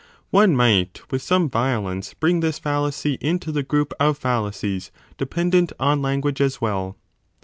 One might, with some violence, bring this fallacy into the group of fallacies dependent on language as well.